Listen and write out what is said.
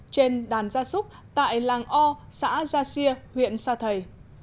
trên đàn gia súc tại làng o xã gia xia huyện sa thầy